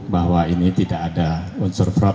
bahwa ini tidak ada unsur fraud